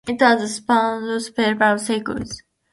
It has spawned several sequels.